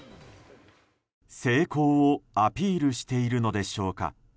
成功をアピールしているのでしょうか。